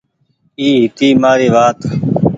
اي هيتي مآري وآت۔